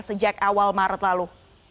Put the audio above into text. sejak awal maret lalu